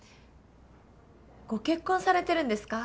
ご結婚されてるんですか？